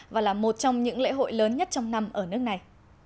và là một trong những lễ hội lớn nhất trong năm ở nước này